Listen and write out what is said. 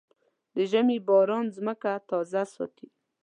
د ژمي باران ځمکه تازه ساتي.